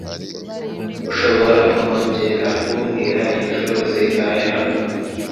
Ushobora kongera kumbwira inshuro zingahe hano?